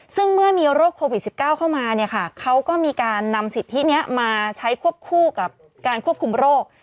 ซึ่งเมื่อมีโรคโควิด๑๙เข้ามาเนี่ยค่ะเขาก็มีการนำสิทธินี้มาใช้ควบคู่กับการควบคุมโรค